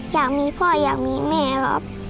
อยากมีพ่ออยากมีแม่ครับ